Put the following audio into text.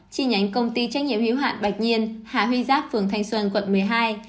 chi nhánh công ty trách nhiệm hiếu hạn bạch nhiên hà huy giáp phường thanh xuân quận một mươi hai